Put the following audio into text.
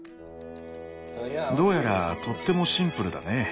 どうやらとってもシンプルだね。